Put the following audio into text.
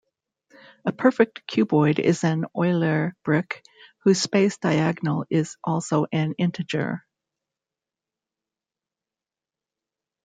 A perfect cuboid is an Euler brick whose space diagonal is also an integer.